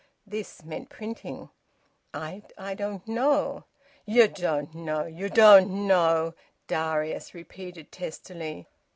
`This' meant printing. "I don't know " "Ye don't know! Ye don't know!" Darius repeated testily.